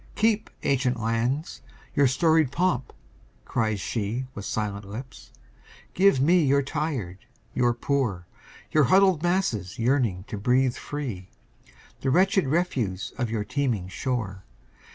"Keep, ancient lands, your storied pomp!" cries she With silent lips. "Give me your tired, your poor, Your huddled masses yearning to be free, The wretched refuse of your teeming shore.